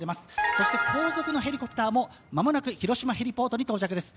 そして後続のヘリコプターも間もなくヘリポートに到着です。